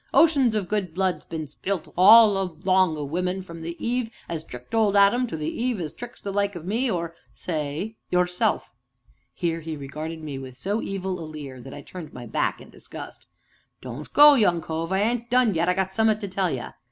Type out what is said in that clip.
Oceans of good blood's been spilt all along o' women, from the Eve as tricked old Adam to the Eve as tricks the like o' me, or say yourself." Here he regarded me with so evil a leer that I turned my back in disgust. "Don't go, young cove; I ain't done yet, and I got summ'at to tell ye."